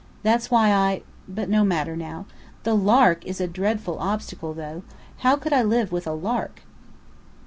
That's why I but no matter now. The 'Lark' is a dreadful obstacle, though. How could I live with a lark?"